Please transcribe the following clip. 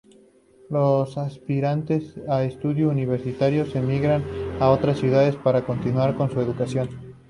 Los aspirantes a estudios universitarios emigran a otras ciudades para continuar con su educación.